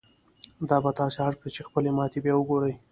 دا به تاسې اړ کړي چې خپلې ماتې بيا وګورئ.